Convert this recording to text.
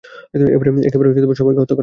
একেবারে সবাইকে হত্যা করা হয়।